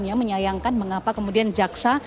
yang menyayangkan mengapa kemudian jaksa